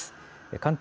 関東